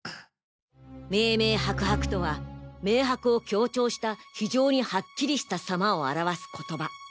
明明白白とは明白を強調した非常にハッキリした様を表わす言葉。